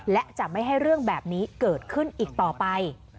และจะไม่ให้เรื่องแบบนี้เกิดขึ้นอีกต่อไป